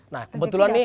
nah kebetulan ini